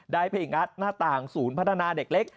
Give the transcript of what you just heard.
งัดหน้าต่างศูนย์พัฒนาเด็กเล็ก